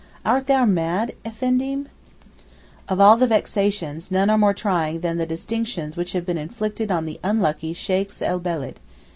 Art thou mad, Effendim?' Of all the vexations none are more trying than the distinctions which have been inflicted on the unlucky Sheykhs el Beled.